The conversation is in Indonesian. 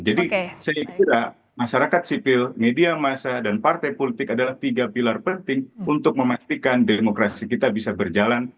jadi saya kira masyarakat sipil media masa dan partai politik adalah tiga pilar penting untuk memastikan demokrasi kita bisa berjalan